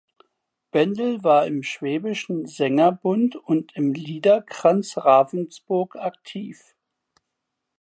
Bendel war im Schwäbischen Sängerbund und im Liederkranz Ravensburg aktiv.